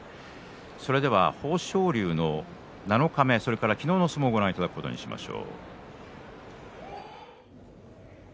それでは豊昇龍の七日目それから昨日の相撲をご覧いただくことにしましょう。